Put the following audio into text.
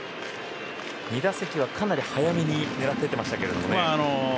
２打席はかなり早めに狙っていってましたけどね。